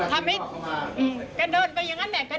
เอาข้าวไปให้กินก็ไม่เจอเหรอแพง